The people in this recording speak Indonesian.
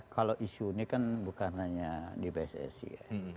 kalau isu ini kan bukan hanya di pssi ya